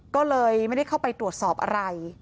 ก็เลยไม่ได้เข้าไปตรวจสอบอะไร